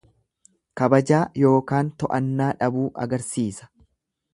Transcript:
Kabajaa yookaan to'annaa dhabuu agarsiisa.